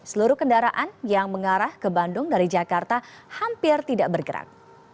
seluruh kendaraan yang mengarah ke bandung dari jakarta hampir tidak bergerak